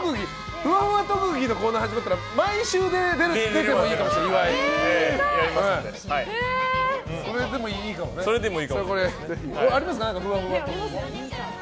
ふわふわ特技のコーナーができたら毎週出てもいいかもしれないですね。